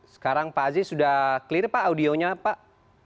sekarang pak aziz sudah clear pak audionya pak